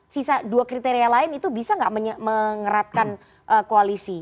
sisa dua kriteria lain itu bisa nggak mengeratkan koalisi